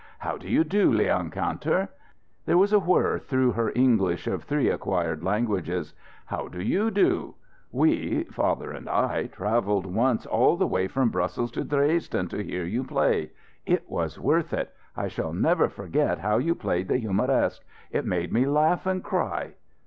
"How do you do, Leon Kantor?" There was a whir through her English of three acquired languages. "How do you do?" "We father and I travelled once all the way from Brussels to Dresden to hear you play. It was worth it. I shall never forget how you played the 'Humoresque.' It made me laugh and cry."